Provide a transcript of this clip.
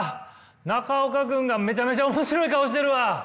中岡君がめちゃめちゃ面白い顔してるわ。